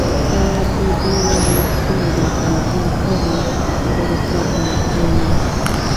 تواب د دېوال سيوري ته د خرې پر کته کېناست.